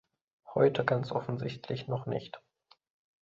Heute ganz offensichtlich noch nicht.